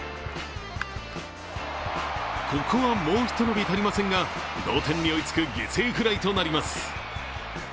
ここはもうひと伸び足りませんが、同点に追いつく犠牲フライとなります。